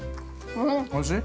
おいしい？